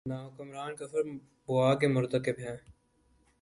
نہ حکمران کفر بواح کے مرتکب ہیں۔